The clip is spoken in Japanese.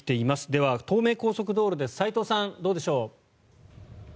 では東名高速道路で齋藤さん、どうでしょう。